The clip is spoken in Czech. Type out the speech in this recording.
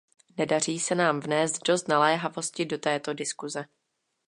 Nedaří se nám vnést dost naléhavosti do této diskuse.